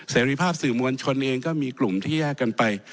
เสรีภาพสื่อมวลชนเองก็มีกลุ่มที่แยกกันไป